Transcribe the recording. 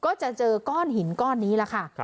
ก็จะเจอก้อนหินก้อนนี้แหละค่ะ